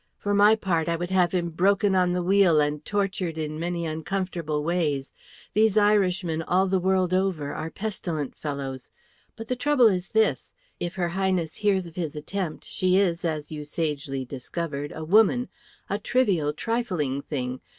For my part, I would have him broken on the wheel and tortured in many uncomfortable ways. These Irishmen all the world over are pestilent fellows. But the trouble is this: If her Highness hears of his attempt, she is, as you sagely discovered, a woman, a trivial, trifling thing.